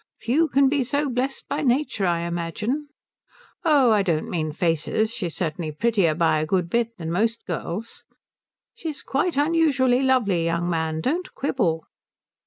"Few can be so blest by nature, I imagine." "Oh, I don't mean faces. She is certainly prettier by a good bit than most girls." "She is quite unusually lovely, young man. Don't quibble."